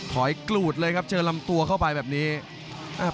ยกรูดเลยครับเจอลำตัวเข้าไปแบบนี้